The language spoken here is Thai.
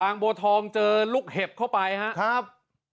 บัวทองเจอลูกเห็บเข้าไปครับ